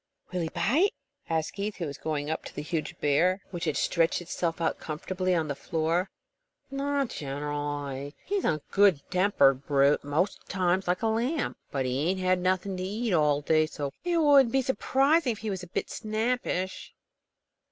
"Will he bite?" asked Keith, going up to the huge bear, which had stretched itself out comfortably on the floor. "Not generally. He's a good tempered brute, most times like a lamb. But he ain't had nothing to eat all day, so it wouldn't be surprising if he was a bit snappish."